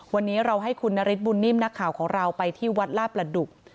วันนี้เราให้คุณนฤทธบุญนิ่มนักข่าวของเราไปที่วัดลาประดุก